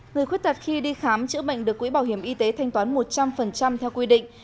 người khuyết tật khi đi khám chữa bệnh được quỹ bảo hiểm y tế thanh toán một trăm linh theo quy định